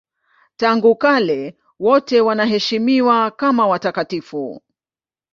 Tangu kale wote wanaheshimiwa kama watakatifu.